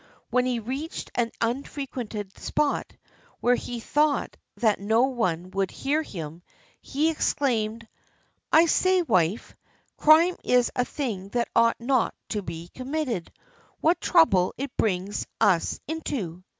When he reached an unfrequented spot, where he thought that no one would hear him, he exclaimed: — "I say, wife, crime is a thing that ought not to be committed. What trouble it brings us into!"